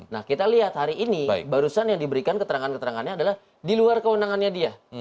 nah kita lihat hari ini barusan yang diberikan keterangan keterangannya adalah di luar kewenangannya dia